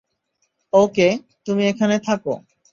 ওকে, তুমি এখানে থাক।